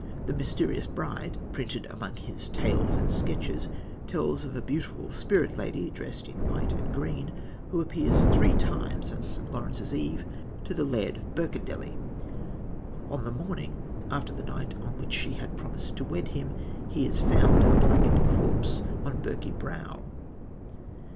The Mysterious Bride, printed among his Tales and Sketches, tells of a beautiful spirit lady, dressed in white and green, who appears three times on St. Lawrence's Eve to the Laird of Birkendelly. On the morning, after the night on which she had promised to wed him, he is found, a blackened corpse, on Birky Brow.